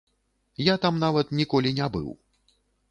Я там нават ніколі не быў.